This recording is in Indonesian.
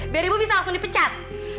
biar ibu bisa langsung dipecat